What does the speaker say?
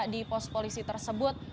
di pos polisi tersebut